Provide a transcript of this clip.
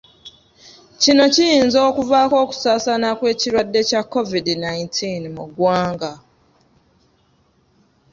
Kino kiyinza okuvaako okusaasaana kw'ekirwadde kya COVID nineteen mu ggwanga.